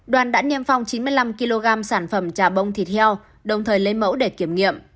đoàn đã niêm phong chín mươi năm kg sản phẩm trà bông thịt heo đồng thời lấy mẫu để kiểm nghiệm